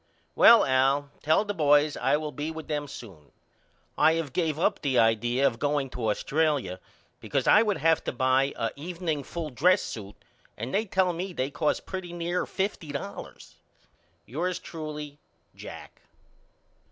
Well Al tell the boys I will be with them soon. I have gave up the idea of going to Australia because I would have to buy a evening full dress suit and they tell me they cost pretty near fifty dollars. Yours truly, JACK.